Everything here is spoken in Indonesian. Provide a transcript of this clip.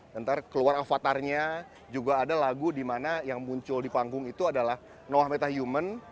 nanti keluar avatarnya juga ada lagu dimana yang muncul di panggung itu adalah noah metahuman